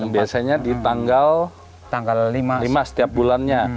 biasanya di tanggal lima setiap bulannya